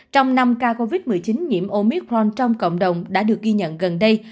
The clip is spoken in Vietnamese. trong năm ca covid một mươi chín nhiễm omicron trong cộng đồng đã được ghi nhận gần đây